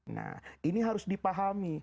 nah ini harus dipahami